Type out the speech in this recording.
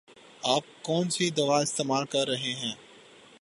آپ کون سی دوا استعمال کر رہے ہیں؟